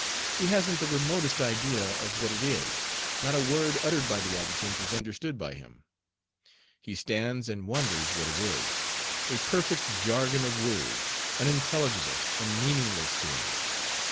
He hasn't the remotest idea of what it is. Not a word uttered by the adjutant is understood by him. He stands and wonders what it is. A perfect jargon of words, unintelligible and meaningless to him!